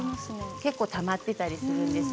結構たまっていたりするんです。